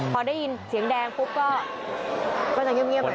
พอได้ยินเสียงแดงปุ๊บก็ก็จะเงียบเงียบเลยนะ